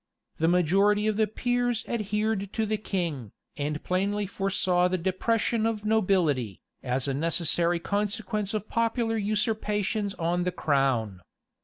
The majority of the peers adhered to the king, and plainly foresaw the depression of nobility, as a necessary consequence of popular usurpations on the crown.